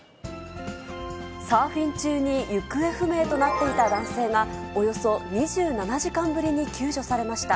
サーフィン中に行方不明となっていた男性が、およそ２７時間ぶりに救助されました。